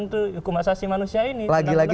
hukum asasi manusia ini lagi lagi